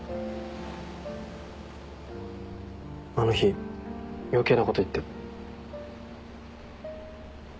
あの日余計なこと言って。